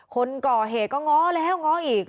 คนก่อเหตุก็ง้อแล้วง้ออีก